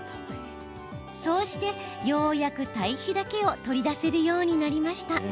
そうして、ようやく堆肥だけを取り出せるようになりました。